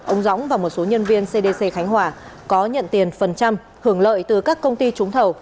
ông dõng và một số nhân viên cdc khánh hòa có nhận tiền phần trăm hưởng lợi từ các công ty trúng thầu